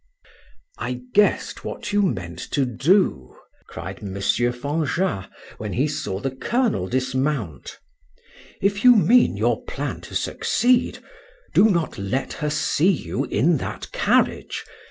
"I guessed what you meant to do," cried M. Fanjat, when he saw the colonel dismount. "If you mean your plan to succeed, do not let her see you in that carriage.